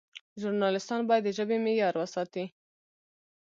ژورنالیستان باید د ژبې معیار وساتي.